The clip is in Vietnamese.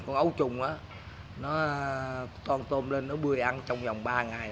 con ấu trùng nó toàn tôm lên nó bươi ăn trong vòng ba ngày